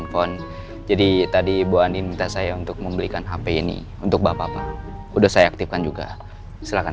kan ada tamu mau gigi bikinin